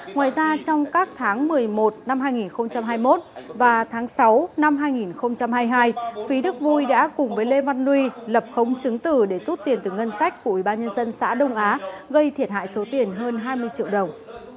ngoài ra trong các tháng một mươi một năm hai nghìn hai mươi một và tháng sáu năm hai nghìn hai mươi hai phí đức vui đã cùng với lê văn luy lập khống chứng tử để rút tiền từ ngân sách của ubnd xã đông á gây thiệt hại số tiền hơn hai mươi triệu đồng